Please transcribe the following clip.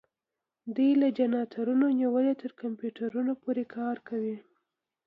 دوی له جنراتورونو نیولې تر کمپیوټر پورې کار کوي.